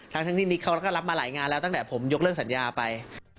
ทั้งที่นิกเขาก็รับมาหลายงานแล้วตั้งแต่ผมยกเลิกสัญญาไป